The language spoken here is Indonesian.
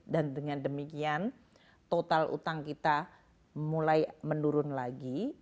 dan dengan demikian total utang kita mulai menurun lagi